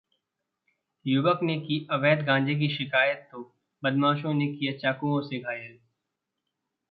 युवक ने की अवैध गांजे की शिकायत तो बदमाशों ने किया चाकुओं से घायल